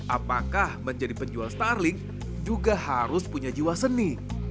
apakah menjadi penjual starling juga harus punya jiwa seni